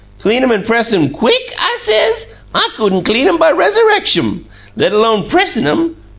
'Clean 'em an' press 'em QUICK?' I says. 'I couldn' clean 'em by Resurreckshum, let alone pressin' 'em!'